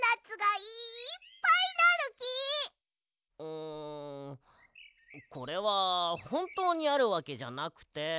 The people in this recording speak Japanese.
うんこれはほんとうにあるわけじゃなくて。